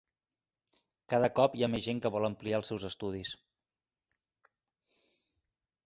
Cada cop hi ha més gent que vol ampliar els seus estudis.